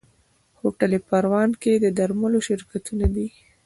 هوټل پروان کې د درملو شرکتونه دي.